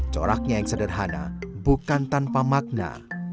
coraknya yang sederhana bukan tanpa makna